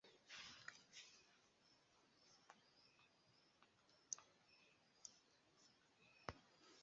La domaro estas valora arĥitektura tutaĵo kun kelkaj konservitaj originaj popolaj konstruaĵoj.